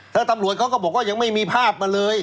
ถ้าตำรวจเขาก็บอกว่ายังไม่มีภาพมาเลย